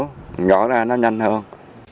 mình gọi ra nó nhanh hơn